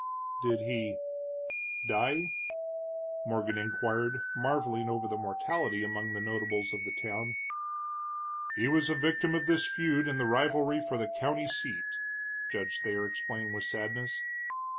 "Did he die?" Morgan inquired, marveling over the mortality among the notables of the town. "He was a victim of this feud in the rivalry for the county seat," Judge Thayer explained, with sadness.